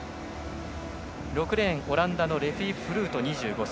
６レーン、オランダのレフィ・フルート、２５歳。